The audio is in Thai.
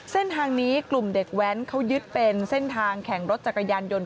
เส้นทางนี้กลุ่มเด็กแว้นเขายึดเป็นเส้นทางแข่งรถจักรยานยนต์